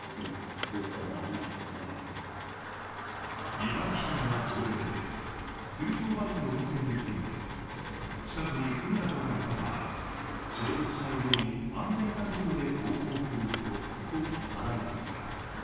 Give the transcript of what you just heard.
茨城県は条例で水上バイクの運転について近くに船などがいた場合、衝突しないように安全な速度で航行することと定めています。